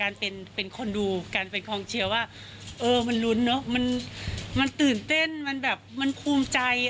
รับรู้ถึงความรู้สึกของการเป็นคนดูการเป็นครองเชียวว่ามันรุ้นเนอะ